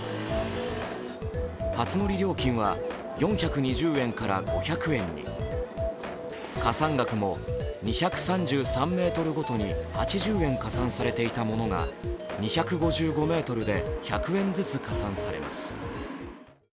初乗り料金は４２０円から５００円に、加算額も２３３ｍごとに８０円加算されていたものが２５５ｍで１００円ずつ加算されます。